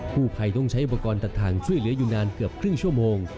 ผู้ภัยต้องใช้อุปกรณ์ตัดทางช่วยเหลืออยู่นานเกือบครึ่งชั่วโมง